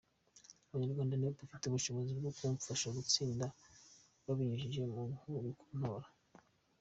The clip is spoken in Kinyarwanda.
Abanyarwanda nibo bafite ubushobozi bwo kumfasha gutsinda babinyujije mu kuntora.